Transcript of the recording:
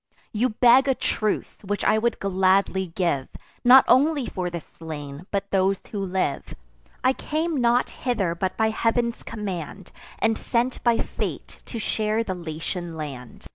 You beg a truce, which I would gladly give, Not only for the slain, but those who live. I came not hither but by Heav'n's command, And sent by fate to share the Latian land.